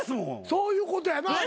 そういうことやな。